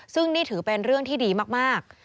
ซึ่งนี่ถือเป็นเรื่องที่ดีมาก